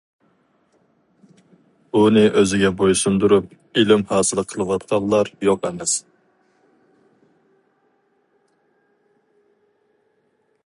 ئۇنى ئۆزىگە بويسۇندۇرۇپ، ئىلىم ھاسىل قىلىۋاتقانلار يوق ئەمەس.